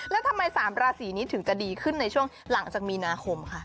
แล้วทำไม๓ราศีนี้ถึงจะดีขึ้นในช่วงหลังจากมีนาคมค่ะ